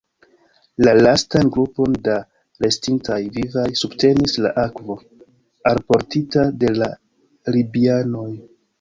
La lastan grupon da restintaj vivaj subtenis la akvo, alportita de la libianoj.